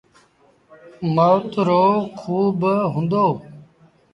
موت رو کوه با هُݩدو ۔